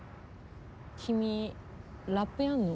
君、ラップやんの？